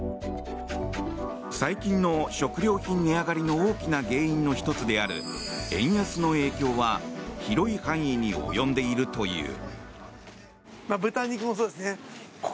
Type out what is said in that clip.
最近の食料品値上がりの大きな原因の一つである円安の影響は広い範囲に及んでいるという。